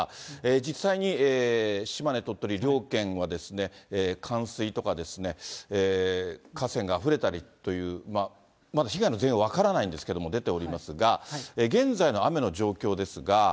実際に島根、鳥取両県は、冠水とか、河川があふれたりというまだ被害の全容は分からないんですけれども、出ておりますが、現在の雨の状況ですが。